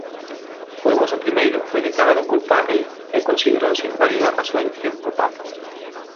Formoso I foi declarado culpábel e considerouse inválida a súa elección como Papa.